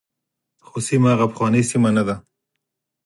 خو سیمه هغه پخوانۍ سیمه نه ده.